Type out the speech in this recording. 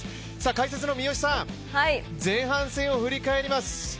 解説の三好さん前半戦を振り返ります。